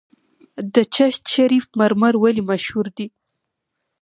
د چشت شریف مرمر ولې مشهور دي؟